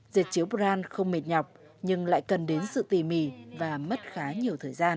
giật chiếu brand không mệt nhọc nhưng lại cần đến sự tỉ mỉ và mất khá nhiều thời gian